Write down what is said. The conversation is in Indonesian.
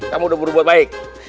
kamu udah berubah baik